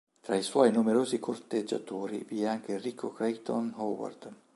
Tra i suoi numerosi corteggiatori vi è anche il ricco Creighton Howard.